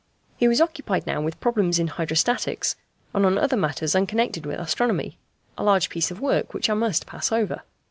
He was occupied now with problems in hydrostatics, and on other matters unconnected with astronomy: a large piece of work which I must pass over.